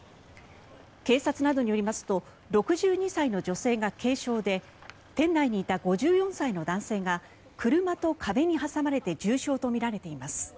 警察などによりますと６２歳の女性が軽傷で店内にいた５４歳の男性が車と壁に挟まれて重傷とみられています。